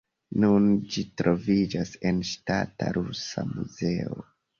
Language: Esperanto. Nun ĝi troviĝas en Ŝtata Rusa Muzeo.